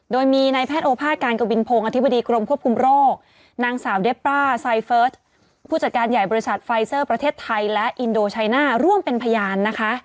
โดยมีนายแพทย์โอภาษการกวินพงศ์อธิบดีกรมควบคุมโรคนางสาวเดฟร่าไซเฟิร์สผู้จัดการใหญ่บริษัทไฟเซอร์ประเทศไทยและอินโดชัยน่าร่วมเป็นพยานนะคะ